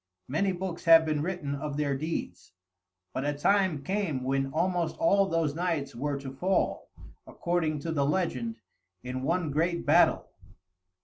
Many books have been written of their deeds; but a time came when almost all those knights were to fall, according to the legend, in one great battle.